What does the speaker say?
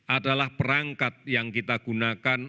adalah perangkat yang kita gunakan